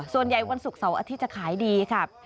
ส่วนใหญ่วันศุกร์เสาร์อาทิตย์จะขายดีครับ